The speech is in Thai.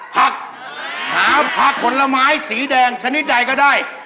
ผักหาผักผลไม้สีแดงชนิดใดก็ได้